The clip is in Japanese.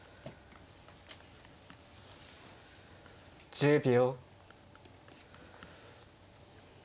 １０秒。